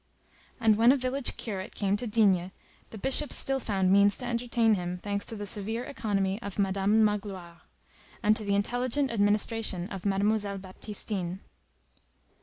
And when a village curate came to D——, the Bishop still found means to entertain him, thanks to the severe economy of Madame Magloire, and to the intelligent administration of Mademoiselle Baptistine.